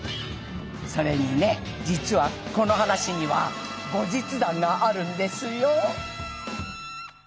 それにね実はこの話には後日談があるんですよ。